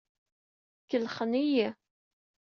Kellxent-iyi.